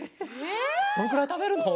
どれくらいたべるの？